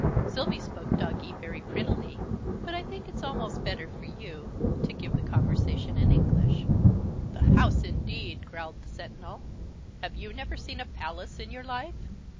Sylvie spoke Doggee very prettily: but I think it's almost better, for you, to give the conversation in English. "The house, indeed!" growled the Sentinel. "Have you never seen a Palace in your life?